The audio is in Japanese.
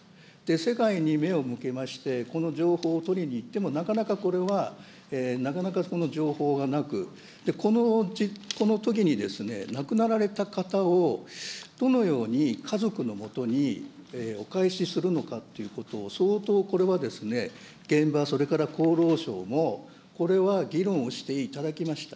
世界に目を向けまして、この情報を取りにいっても、なかなかこれはなかなかこの情報がなく、このときに亡くなられた方を、どのように家族のもとにお返しするのかっていうことを、相当これは現場、それから厚労省もこれは議論をしていただきました。